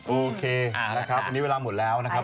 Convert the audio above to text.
โอเคนะครับวันนี้เวลาหมดแล้วนะครับ